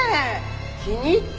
気に入った！